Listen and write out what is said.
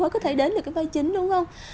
có thể đến được cái vai chính đúng không